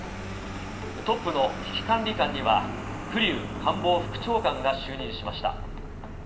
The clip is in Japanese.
トップの危機かんり官には栗生官房副長官が就任しました。